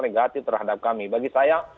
negatif terhadap kami bagi saya